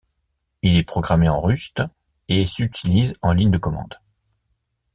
Il est programmé en Rust et s'utilise en ligne de commande.